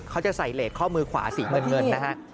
เขาจะใส่เลสข้อมือขวาสีเงินนะฮะ